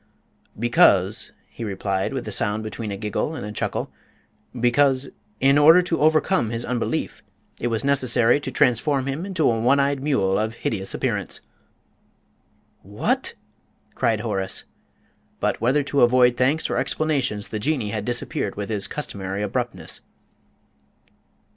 "Because," he replied, with a sound between a giggle and a chuckle, "because, in order to overcome his unbelief, it was necessary to transform him into a one eyed mule of hideous appearance." "What!" cried Horace. But, whether to avoid thanks or explanations, the Jinnee had disappeared with his customary abruptness.